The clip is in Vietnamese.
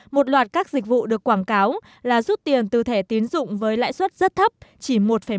một loạt các dịch vụ được quảng cáo là rút tiền từ thẻ tiến dụng với lãi suất rất thấp chỉ một một